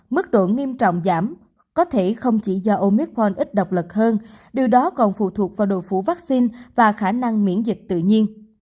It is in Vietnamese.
mức độ nghiêm trọng giảm có thể không chỉ do omicron ít độc lực hơn điều đó còn phụ thuộc vào độ phủ vaccine và khả năng miễn dịch tự nhiên